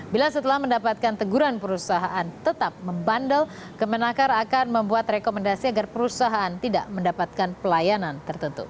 bila setelah mendapatkan teguran perusahaan tetap membandel kemenakar akan membuat rekomendasi agar perusahaan tidak mendapatkan pelayanan tertentu